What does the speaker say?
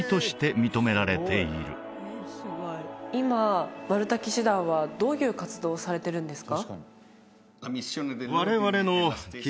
今マルタ騎士団はどういう活動をされてるんですか？